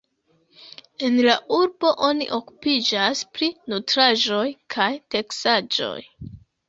En la urbo oni okupiĝas pri nutraĵoj kaj teksaĵoj.